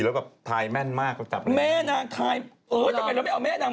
ไม่เอาเลขมาจากไหน